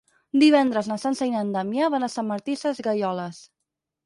Divendres na Sança i en Damià van a Sant Martí Sesgueioles.